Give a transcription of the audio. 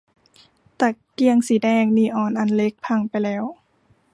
ตะเกียงสีแดงนีออนอันเล็กพังไปแล้ว